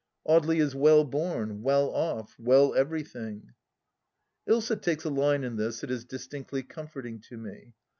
Audely is well born, well off, well every thing !... Ilsa takes a line in this that is distinctly comforting to me.